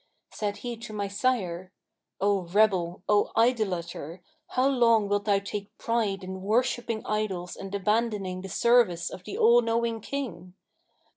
Said he to my sire, 'O rebel, O idolater, how long wilt thou take pride in worshipping idols and abandoning the service of the All knowing King?